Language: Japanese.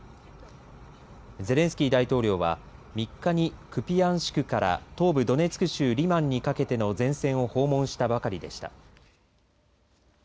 ゼレンスキー大統領は３日にクピヤンシクから東部ドネツク州リマンにかけての前線を訪問したばかりでした。